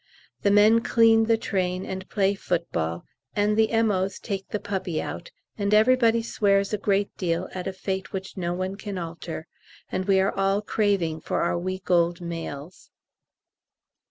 The men clean the train and play football, and the M.O.'s take the puppy out, and everybody swears a great deal at a fate which no one can alter, and we are all craving for our week old mails.